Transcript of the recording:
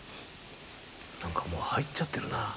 もう入っちゃってるなぁ。